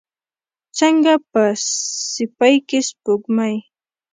څنګه په سیپۍ کې سپوږمۍ